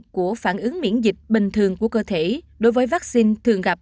của phản ứng miễn dịch bình thường của cơ thể đối với vaccine thường gặp